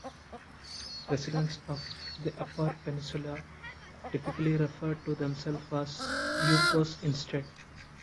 Residents of the Upper Peninsula typically refer to themselves as "Yoopers" instead.